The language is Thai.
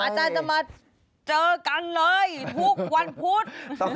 อาจารย์จะมาเจอกันเลยทุกวันพุธ